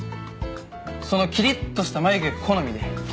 そのキリッとした眉毛が好みで。